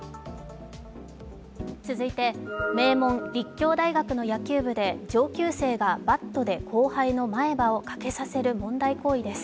続いて、名門・立教大学の野球部で上級生が後輩の前歯を欠けさせる問題行為です。